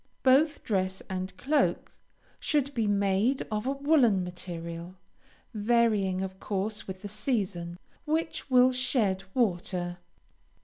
Both dress and cloak should be made of a woolen material, (varying of course with the season,) which will shed water.